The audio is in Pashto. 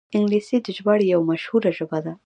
انګلیسي د ژباړې یوه مشهوره ژبه ده